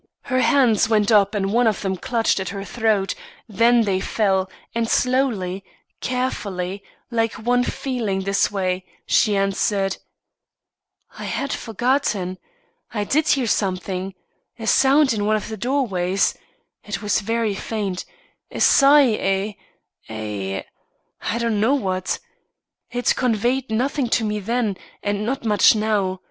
Her hands went up and one of them clutched at her throat, then they fell, and slowly carefully like one feeling his way she answered: "I had forgotten. I did hear something a sound in one of the doorways. It was very faint a sigh a a I don't know what. It conveyed nothing to me then, and not much now.